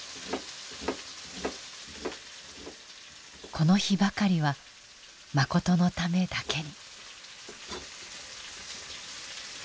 この日ばかりはマコトのためだけに。